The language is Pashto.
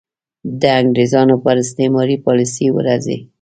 د انګرېزانو پر استعماري پالیسۍ ورځي.